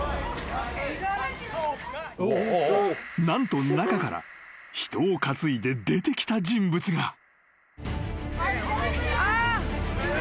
［何と中から人を担いで出てきた人物が］